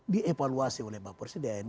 dievaluasi oleh mbak presiden